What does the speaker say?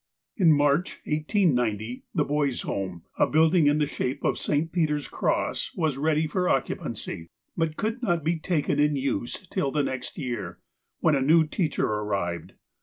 In March, 1890, the Boys' Home, a building in the shape of a St. Peter's cross, was ready for occupancy, but could not be taken in use till the next year, when a new teacher arrived.